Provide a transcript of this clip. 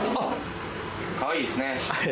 かわいいですね。